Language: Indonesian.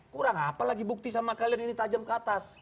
kurang apalagi bukti sama kalian ini tajam ke atas